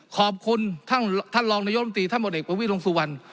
ขอบคุณท่านท่านรองนายกรัฐมนตรีท่านบริเวษยุทธโนชาวัน